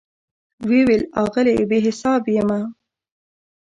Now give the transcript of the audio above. وی ویل آغلې , بي حساب یمه